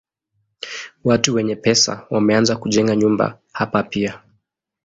Watu wenye pesa wameanza kujenga nyumba hapa pia.